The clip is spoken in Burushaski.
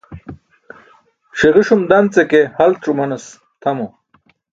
Ṣiġuṣum dance ke halc̣ umanaśo tʰamo.